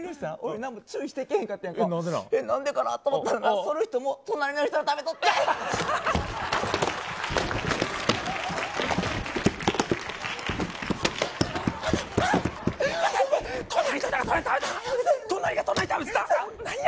なんでかなと思ったらな、その人も隣の人の食べとったんや。